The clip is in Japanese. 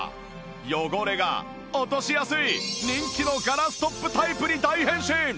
汚れが落としやすい人気のガラストップタイプに大変身！